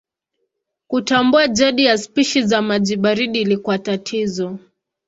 Kutambua jadi ya spishi za maji baridi ilikuwa tatizo.